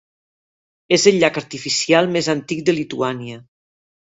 És el llac artificial més antic de Lituània.